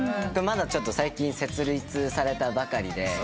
まだ最近設立されたばかりで。